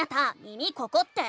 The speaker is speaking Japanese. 「耳ここ⁉」って。